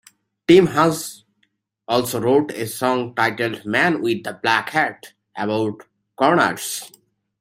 Tim Hus also wrote a song titled "Man With The Black Hat" about Connors.